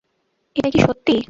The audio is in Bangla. এটা কি সত্যি?